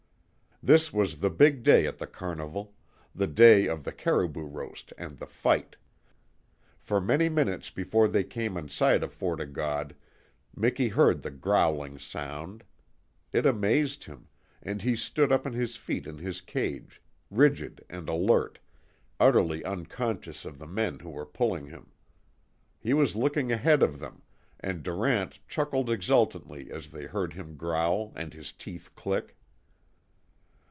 This was the big day at the carnival the day of the caribou roast and the fight. For many minutes before they came in sight of Fort O' God Miki heard the growing sound. It amazed him, and he stood up on his feet in his cage, rigid and alert, utterly unconscious of the men who were pulling him. He was looking ahead of them, and Durant chuckled exultantly as they heard him growl, and his teeth click.